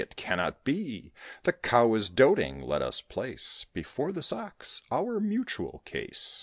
it cannot be; The Cow is doting. Let us place Before this Ox our mutual case."